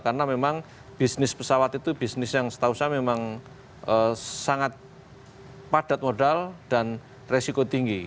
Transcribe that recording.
karena memang bisnis pesawat itu bisnis yang setahu saya memang sangat padat modal dan resiko tinggi